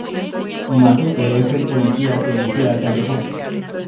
Matute es el policía que vigila el callejón.